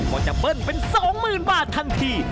ก็จะเบิ้ลเป็น๒๐๐๐บาททันที